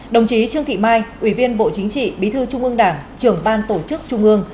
đồng chí trương thị mai ủy viên bộ chính trị bí thư trung ương đảng trưởng ban tổ chức trung ương